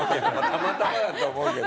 たまたまだと思うけど。